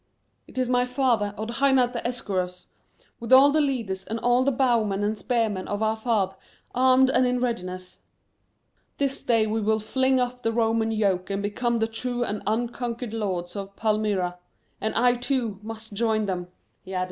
"It is my father, Odhainat the esarkos,(1) with all the leaders and all the bowmen and spearmen of our fahdh armed and in readiness. This day will we fling off the Roman yoke and become the true and unconquered lords of Palmyra. And I, too, Must join them," he added.